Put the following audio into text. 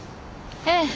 ええ。